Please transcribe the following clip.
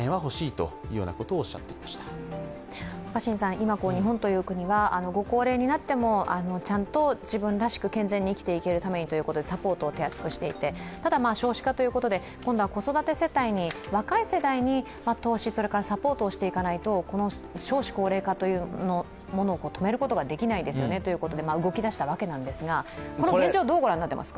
今、日本という国はご高齢になってもちゃんと自分らしく健全に生きていけるためにということでサポートを手厚くしていてただ、少子化ということで今度は子育て世帯に若い世帯に投資、それからサポートしていかないと、少子高齢化というものを止めることができないですよねということで動き出したことですが、現状、どう思っていますか？